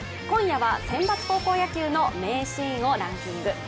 今夜は、選抜高校野球の名シーンをランキング。